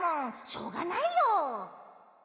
しょうがないよ。